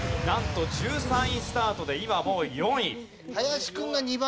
なんと１３位スタートで今もう４位。